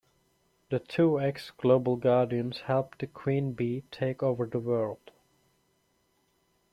The two ex-Global Guardians helped the Queen Bee take over the world.